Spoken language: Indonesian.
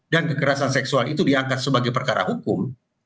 dan kekerasan seksual itu diangkat sebagai perkara hukum